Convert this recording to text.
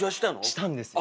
したんですよ。